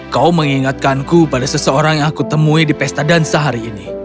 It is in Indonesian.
kau mengingatkanku pada seseorang yang aku temui di pesta dansa hari ini